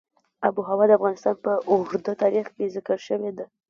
آب وهوا د افغانستان په اوږده تاریخ کې ذکر شوې ده.